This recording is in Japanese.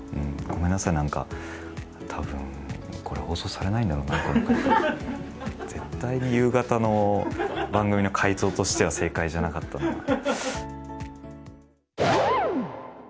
ごめんなさい、なんか、たぶんこれ放送されないんだろうな、絶対に夕方の番組の回答としては、正解じゃなかったな。